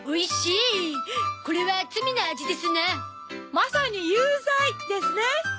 まさに有罪！ですね。